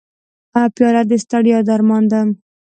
پیاله د ستړیا درمان ده.